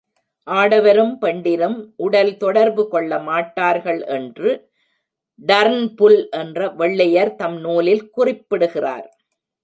ஆடவரும் பெண்டிரும் உடல் தொடர்பு கொள்ளமாட்டார்கள் என்று டர்ன்புல் என்ற வெள்ளையர் தம் நூலில் குறிப்பிடுகிறார்.